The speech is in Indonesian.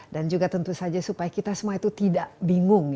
dan juga tentu saja supaya kita semua itu tidak bingung